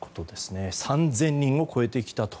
３０００人を超えてきたと。